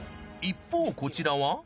一方こちらは。